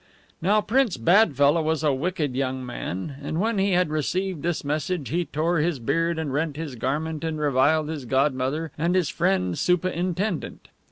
Now the Prince BADFELLAH was a wicked young man; and when he had received this message he tore his beard and rent his garment and reviled his godmother, and his friend SOOPAH INTENDENT.